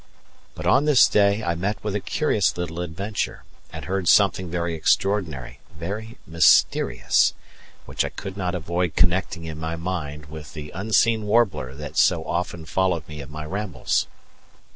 But on this day I met with a curious little adventure and heard something very extraordinary, very mysterious, which I could not avoid connecting in my mind with the unseen warbler that so often followed me in my rambles.